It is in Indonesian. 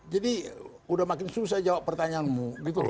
jadi sudah makin susah jawab pertanyaanmu gitu loh